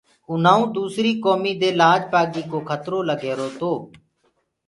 اُنآئونٚ دوٚسريٚ ڪوُميٚ دي لآج پآگي ڪو کتررو لَگ ريهرو تو۔